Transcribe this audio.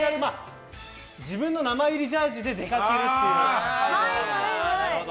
自分の名前入りジャージーで出かけるというのが。